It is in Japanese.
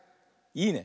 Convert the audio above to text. いいね。